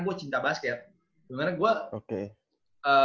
gue cinta basket gimana gue